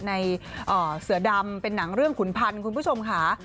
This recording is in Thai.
ในเสือดำเป็นหนังเรื่องขุนพันธุ์คุณผู้ชมค่ะ